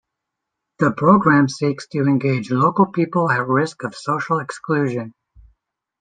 The programme seeks to engage local people at risk of social exclusion.